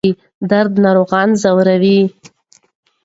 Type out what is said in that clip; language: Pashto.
درد ناروغان ځوروي.